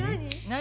何？